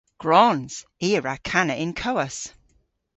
Gwrons! I a wra kana y'n kowas.